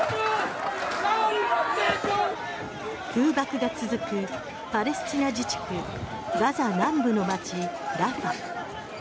空爆が続くパレスチナ自治区ガザ南部の街ラファ。